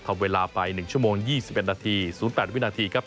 ทำเวลาไป๑ชั่วโมง๒๑นาที๐๘วินาทีครับ